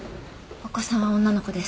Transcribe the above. お子さんは女の子です。